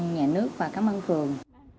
nhà nước và cảm ơn phường